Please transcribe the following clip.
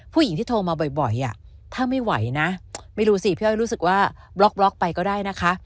ผู้หญิงที่โทรมาบ่อยถ้าไม่ไหวนะไม่รู้สิพี่อ้อยรู้สึกว่าบล็อกไปก็ได้นะคะ